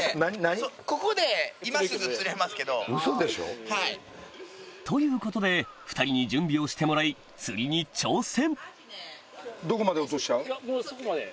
ハハハ！ということで２人に準備をしてもらい釣りに挑戦！